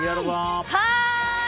はい！